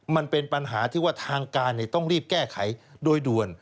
มันเป็นปัญหาที่ว่าทางการต้องรีบแก้ไขโดยด่วน